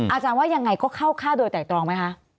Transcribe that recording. อาจารย์ว่ายังไงก็เข้าฆ่าโดยไตรตรองไหมคะ